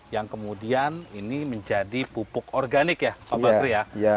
yang kemudian ini menjadi pupuk organik ya pak badri ya